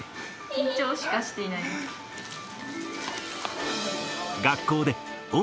緊張しかしていないです。